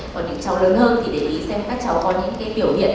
còn những cháu lớn hơn thì để ý xem các cháu có những cái biểu hiện